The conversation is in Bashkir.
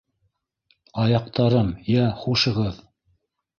Аяҡтарым, йә, хушығыҙ.